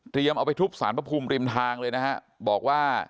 เอาไปทุบสารพระภูมิริมทางเลยนะฮะบอกว่า